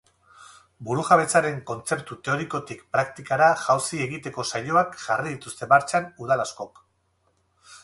Burujabetzaren kontzeptu teorikotik praktikara jauzi egiteko saioak jarri dituzte martxan udal askok.